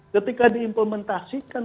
ketika di implementasikan